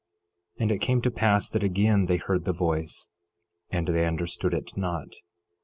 11:4 And it came to pass that again they heard the voice, and they understood it not.